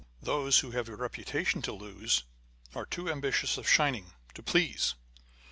Those who have a repu tation to lose are too ambitious of shining, to please.